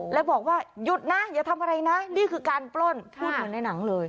แล้วบอกว่าหยุดนะอย่าทำอะไรนะนี่คือการปล้นพูดเหมือนในหนังเลย